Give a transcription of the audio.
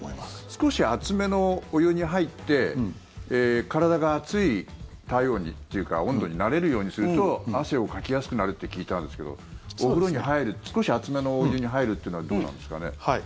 少し熱めのお湯に入って体が熱い体温というか温度に慣れるようにすると汗をかきやすくなるって聞いたんですけどお風呂に入る少し熱めのお湯に入るというのはどうなんですかね。